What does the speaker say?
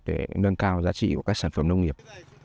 để nâng cao giá trị của các sản phẩm